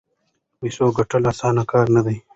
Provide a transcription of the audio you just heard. د پیسو ګټل اسانه کار نه دی.